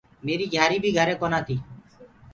ميريٚ گھِياريٚ بيٚ گھري ڪونآ تيٚ